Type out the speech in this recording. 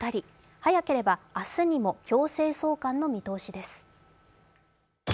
早ければ明日にも強制送還の見通しです。